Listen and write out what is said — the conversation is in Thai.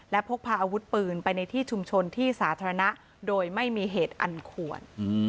และพกพาอาวุธปืนไปในที่ชุมชนที่สาธารณะโดยไม่มีเหตุอันควร